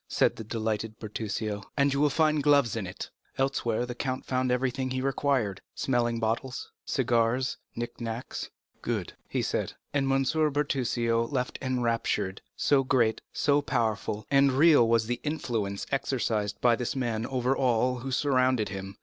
said the delighted Bertuccio, "and you will find gloves in it." Elsewhere the count found everything he required—smelling bottles, cigars, knick knacks. 30207m "Good," he said; and M. Bertuccio left enraptured, so great, so powerful, and real was the influence exercised by this man over all who surrounded him.